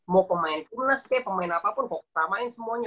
mau pemain kumnes pemain apapun koko samain semuanya